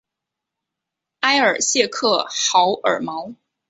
埃尔谢克豪尔毛。